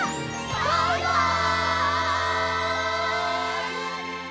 バイバイ！